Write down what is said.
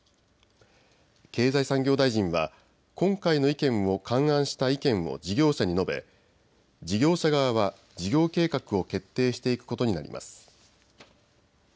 経済産業大臣は今回の意見を勘案した意見を事業者に述べ事業者側は事業計画を決定していくことになります。